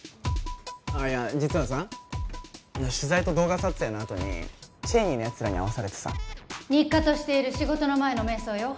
あっいや実はさ取材と動画撮影のあとに ＣＨＡＹＮＥＹ のやつらに会わされてさ日課としている仕事の前の瞑想よ